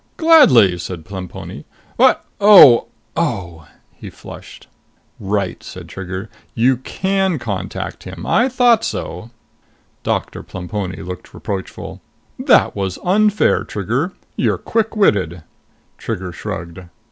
"Gladly!" said Plemponi. "What oh, oh!" He flushed. "Right," said Trigger. "You can contact him. I thought so." Doctor Plemponi looked reproachful. "That was unfair, Trigger! You're quick witted." Trigger shrugged.